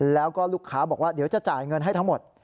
แล้วก็ลูกค้าบอกว่าเดี๋ยวจะจ่ายเงินให้ทั้งหมด